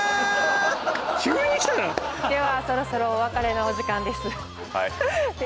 ではそろそろお別れのお時間です。